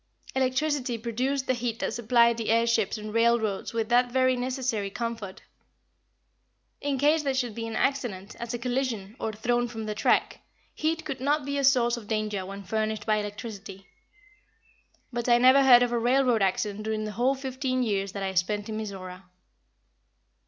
Electricity produced the heat that supplied the air ships and railroads with that very necessary comfort. In case there should be an accident, as a collision, or thrown from the track, heat could not be a source of danger when furnished by electricity. But I never heard of a railroad accident during the whole fifteen years that I spent in Mizora.